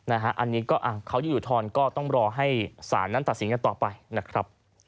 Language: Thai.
อันนี้ก็เขาจะอุทธรณ์ก็ต้องรอให้สารนั้นตัดสินกันต่อไปนะครับ